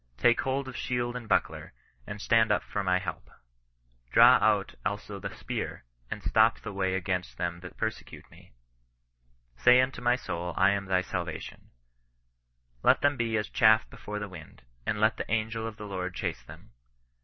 Take hold of shield and buckler, and stand up for my help. Draw out also the spear, and stop the way Against them that persecute me : say unto my soul I am thy salvation Let them be as chaff before the wufed; and let the angel of the Lord chase them.